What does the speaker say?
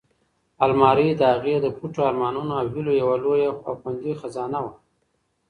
المارۍ د هغې د پټو ارمانونو او هیلو یوه لویه او خوندي خزانه وه.